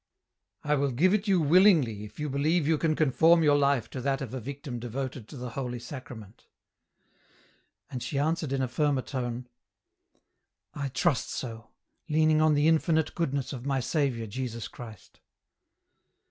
"I will give it you willingly if you believe you can EN ROUTE. 105 conform your life to that of a victim devoted to the Holy Sacrament." And she answered in a firmer tone, " I trust so, leaning on the infinite goodness of my Saviour Jesus Christ."